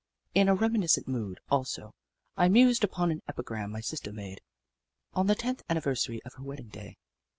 In a remi niscent mood, also, I mused upon an epigram my sister made, on the tenth anniversary of her wedding day.